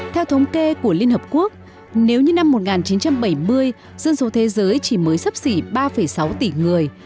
theo thống kê của liên hợp quốc nếu như năm một nghìn chín trăm bảy mươi dân số thế giới chỉ mới sắp xỉ ba sáu tỷ người